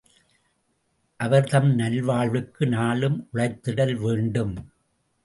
அவர் தம் நல்வாழ்வுக்கு நாளும் உழைத்திடல் வேண்டும்.